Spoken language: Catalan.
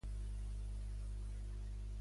No só crioll, ni dàlmata —o gal·lès.